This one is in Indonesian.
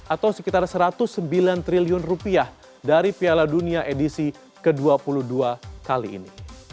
atau sekitar satu ratus sembilan triliun rupiah dari piala dunia edisi ke dua puluh dua kali ini